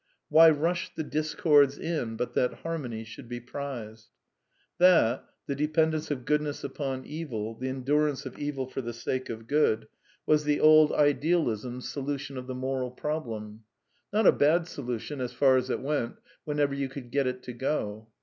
^^Why rushed the discords in but that harmony should be prized !'' That — the dependence of goodness upon evil, the en durance of evil for the sake of good — was the old Ideal 302 A DEFENCE OF IDEALISM ism's solution of the moral problem. Not a bad solution^ as far as it went, whenever you could get it to go.